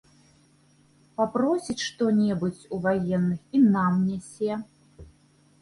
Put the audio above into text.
Папросіць што-небудзь у ваенных і нам нясе.